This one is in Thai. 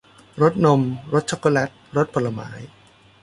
รสนม รสช็อกโกแลต รสผลไม้